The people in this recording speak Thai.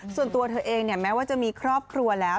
ส่วนตัวเธอเองแม้ว่าจะมีครอบครัวแล้ว